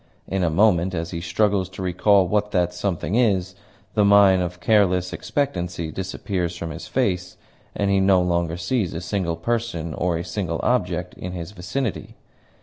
In a moment, as he struggles to recall what that something is, the mien of careless expectancy disappears from his face, and he no longer sees a single person or a single object in his vicinity.